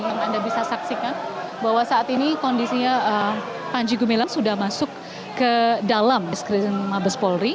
yang anda bisa saksikan bahwa saat ini kondisinya panji gumilang sudah masuk ke dalam diskredit mabes polri